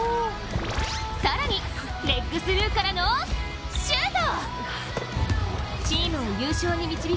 更にレッグスルーからのシュート！